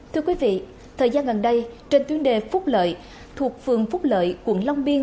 thưa quý vị thời gian gần đây trên tuyến đề phúc lợi thuộc phường phúc lợi quận long biên